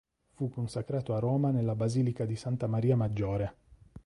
Fu consacrato a Roma nella basilica di Santa Maria Maggiore.